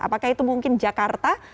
apakah itu mungkin jakarta